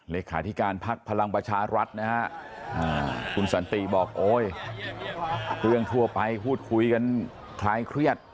เลขาธิการพักพลังประชารัฐนะฮะคุณสันติบอกโอ๊ยเรื่องทั่วไปพูดคุยกันคลายเครียด